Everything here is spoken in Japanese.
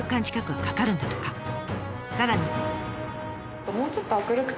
さらに。